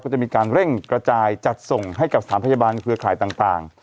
จะมีการเร่งกระจายจัดส่งให้กับสถานพยาบาลเครือข่ายต่าง